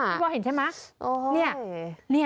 พี่บอลเห็นใช่ไหม